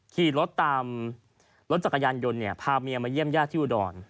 ขี่รถตามรถจักรยานยนต์เนี่ยพาเมียมาเยี่ยมญาติที่อุดร